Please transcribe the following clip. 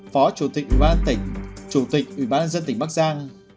phó chủ tịch ủy ban tỉnh chủ tịch ủy ban dân tỉnh bắc giang